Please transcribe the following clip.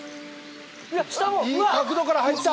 いい角度から入った。